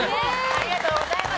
ありがとうございます。